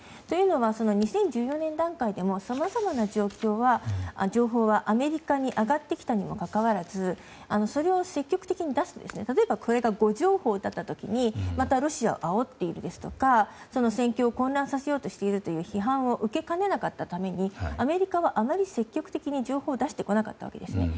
というのは２０１４年段階でもさまざまな情報はアメリカに上がってきたにもかかわらずそれを積極的に出すということが例えば、これが誤情報だった時にロシアをあおっているですとか、戦況を混乱させようとしているという批判を受けかねなかったためにアメリカはあまり積極的に情報を出してこなかったわけです。